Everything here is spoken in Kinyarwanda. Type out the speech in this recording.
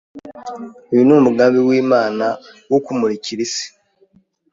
Uyu ni umugambi w’Imana wo kumurikira isi.